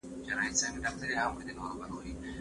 د موضوعاتو تنوع د علمي فقر تر ټولو ښه علاج دی.